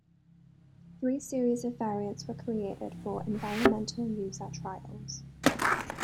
Three series of variants were created for "Environmental User Trials".